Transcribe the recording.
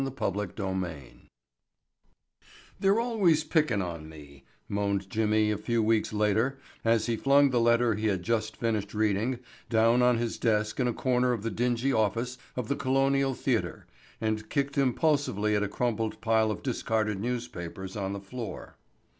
Chapter Twenty Five "They're always pickin' on me," moaned Jimmy a few weeks later as he flung the letter he had just finished reading down on his desk in a corner of the dingy office of the Colonial Theatre and kicked impulsively at a crumpled pile of discarded newspapers on the floor.